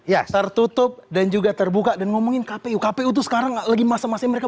ya tertutup dan juga terbuka dan ngomongin kpu kpu itu sekarang lagi masa masa mereka